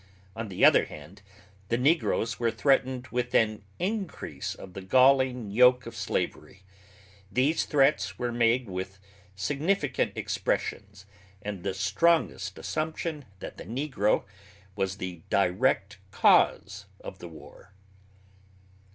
On the other hand, the negroes were threatened with an increase of the galling yoke of slavery. These threats were made with significant expressions, and the strongest assumption that the negro was the direct cause of the war.